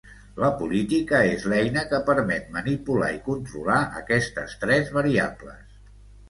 La política és l'eina que permet manipular i controlar aquestes tres variables.